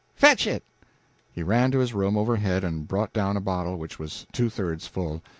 "Fetch it!" He ran to his room overhead and brought down a bottle which was two thirds full.